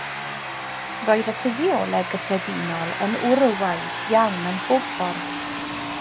Roedd y ffisioleg gyffredinol yn wrywaidd iawn ym mhob ffordd.